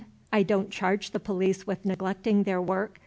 I don't charge the police with neglecting their work.